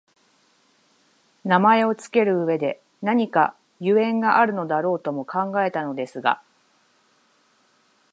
名前をつける上でなにか縁故があるのだろうかとも考えたのですが、